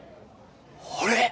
あれ？